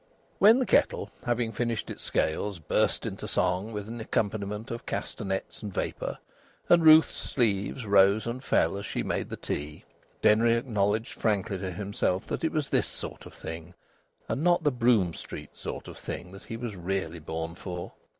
When the kettle, having finished its scales, burst into song with an accompaniment of castanets and vapour, and Ruth's sleeves rose and fell as she made the tea, Denry acknowledged frankly to himself that it was this sort of thing, and not the Brougham Street sort of thing, that he was really born for.